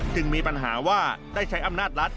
มีปัญหาว่าได้ใช้อำนาจรัฐ